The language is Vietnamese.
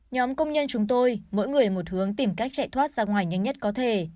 nhóm công nhân chúng tôi mỗi người một hướng tìm cách chạy thoát ra ngoài nhanh nhất có thể